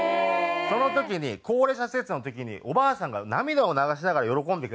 その時に高齢者施設の時におばあさんが涙を流しながら喜んでくれたんです。